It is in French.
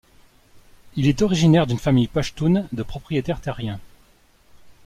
Il est originaire d'une famille pachtoune de propriétaires terriens.